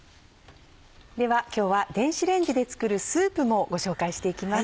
では今日は電子レンジで作るスープもご紹介していきます。